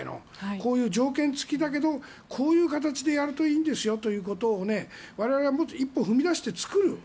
こういう条件付きだけどこういう形でやるといいんですよということを我々はもっと一歩踏み出して作る。